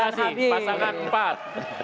terima kasih pasangan empat